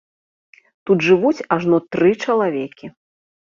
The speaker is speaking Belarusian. Тут жывуць ажно тры чалавекі.